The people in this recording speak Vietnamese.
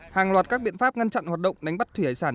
hàng loạt các biện pháp ngăn chặn hoạt động đánh bắt thủy hải sản